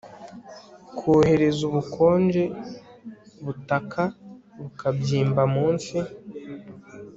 kohereza ubukonje-butaka-bukabyimba munsi